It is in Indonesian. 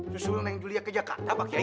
susulin aja julia ke jakarta pak kiai